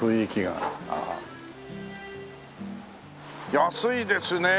安いですねえ。